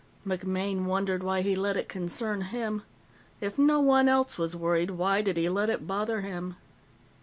MacMaine wondered why he let it concern him. If no one else was worried, why did he let it bother him?